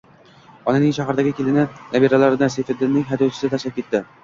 Onaning shahardagi kelini, nabiralarini Sayfiddinning haydovchisi tashlab ketdi